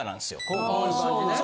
こういう感じね。